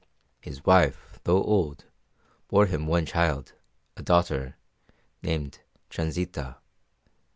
His wife, though old, bore him one child, a daughter, named Transita.